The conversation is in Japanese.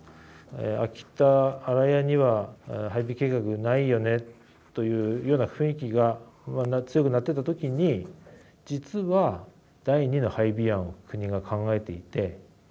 秋田・新屋には配備計画ないよねというような雰囲気が不安が強くなってた時に実は第二の配備案を国が考えていて「幻の配備計画」が進んでいた。